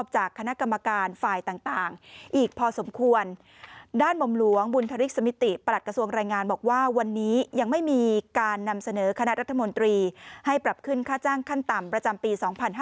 จะเสนอคณะรัฐมนตรีให้ปรับขึ้นค่าแจ้งขั้นต่ำประจำปี๒๕๖๐